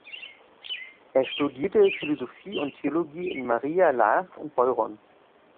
Er studierte Philosophie und Theologie in Maria Laach und Beuron.